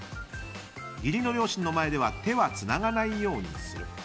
義理の両親の前では手はつながないようにする。